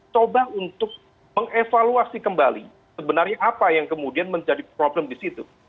coba untuk mengevaluasi kembali sebenarnya apa yang kemudian menjadi problem di situ